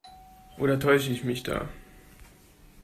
Oder täusche ich mich da?